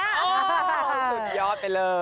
โอ้สุดยอดไปเลย